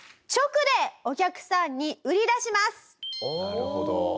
なるほど。